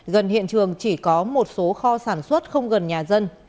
gần hiện trường chỉ có một số kho sản xuất không gần nhà dân